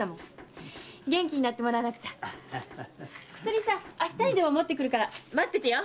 薬さ明日にでも持ってくるから待っててよ。